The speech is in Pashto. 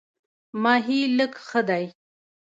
ماهی لږ ښه دی.